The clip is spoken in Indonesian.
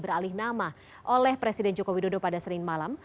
beralih nama oleh presiden joko widodo pada senin malam